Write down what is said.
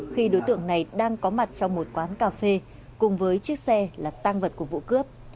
khi đối tượng này đang có mặt trong một quán cà phê cùng với chiếc xe là tăng vật của vụ cướp